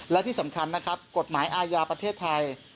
และที่สำคัญนะครับกฎหมายอาญาประเทศไทย